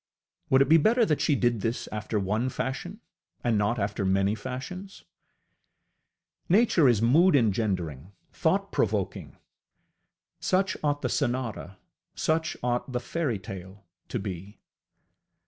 Would it be better that she did this after one fashion and not after many fashions? Nature is mood engendering, thought provoking: such ought the sonata, such ought the fairytale to be.